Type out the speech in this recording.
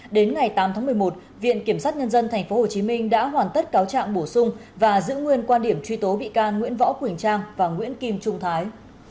đến ngày tám tháng một mươi một viện kiểm sát nhân dân tp hcm đã hoàn tất cáo trạng bổ sung và giữ nguyên quan điểm truy tố bị can nguyễn võ quỳnh trang và nguyễn kim trung thái